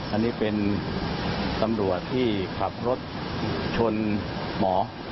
อันนี้เป็นตำรวจที่ขับรถชนหมอ